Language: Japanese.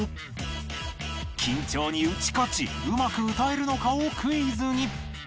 緊張に打ち勝ちうまく歌えるのかをクイズに